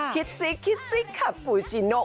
คิดซิกค่ะฟูชิโน